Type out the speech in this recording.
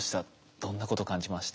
どんなこと感じました？